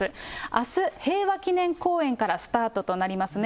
あす、平和記念公園からスタートとなりますね。